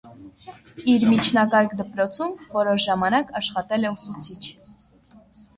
Իր միջնակարգ դպրոցում որոշ ժամանակ աշխատել է ուսուցիչ։